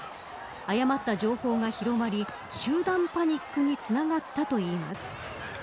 誤った情報が広まり集団パニックにつながったといいます。